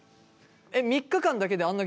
３日間だけであんな